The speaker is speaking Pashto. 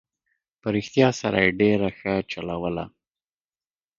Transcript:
په رښتیا سره یې ډېره ښه چلوله.